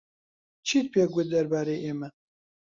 چیت پێ گوت دەربارەی ئێمە؟